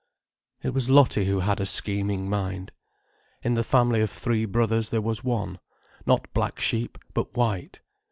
It was Lottie who had a scheming mind. In the family of three brothers there was one—not black sheep, but white.